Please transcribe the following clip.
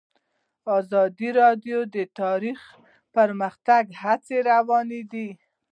افغانستان کې د تاریخ د پرمختګ هڅې روانې دي.